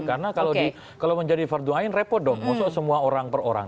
karena kalau menjadi fardu ain repot dong musuh semua orang per orang